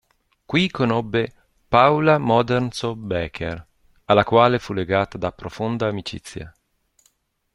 Qui conobbe Paula Modersohn-Becker, alla quale fu legata da profonda amicizia.